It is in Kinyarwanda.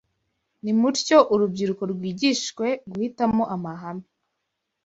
Nimutyo urubyiruko rwigishwe guhitamo amahame